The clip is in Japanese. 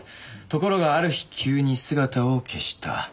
ところがある日急に姿を消した。